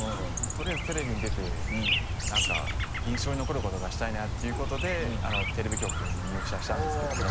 とりあえずテレビに出てなんか印象に残ることがしたいなっていうことでテレビ局に入社したんですけども。